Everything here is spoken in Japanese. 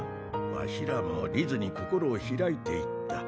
わしらもリズに心を開いていった。